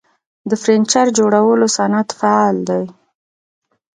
د فرنیچر جوړولو صنعت فعال دی